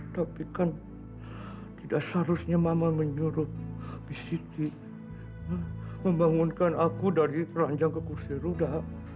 tapi kan tidak seharusnya mama menyuruh bisiti membangunkan aku dari ranjang ke kursi rudak